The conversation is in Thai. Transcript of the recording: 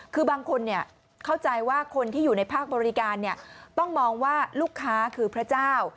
คือบางคนเข้าใจว่าคนที่อยู่ในภาคบริการต้องมองว่าลูกค้าคือพระเจ้า